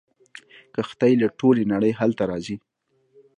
کښتۍ له ټولې نړۍ هلته راځي.